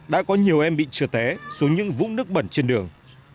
đã có nhiều em bị trượt té xuống những vũng nước bẩn trên đường